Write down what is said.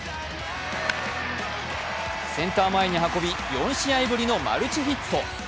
センター前に運び、４試合ぶりのマルチヒット。